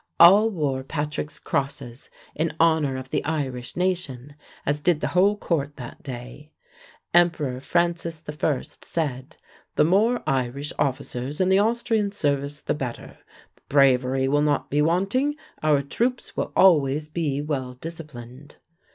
All wore Patrick's crosses in honor of the Irish nation, as did the whole court that day. Emperor Francis I. said: "The more Irish officers in the Austrian service the better; bravery will not be wanting; our troops will always be well disciplined."